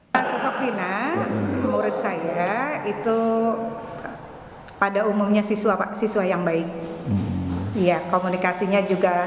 di sebelah mana bu duduknya